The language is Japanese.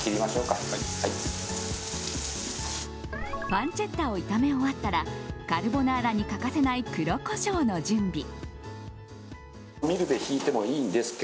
パンチェッタを炒め終わったらカルボナーラに欠かせない黒コショウの準備。